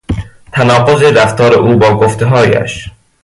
تناقض رفتار او با گفتههایش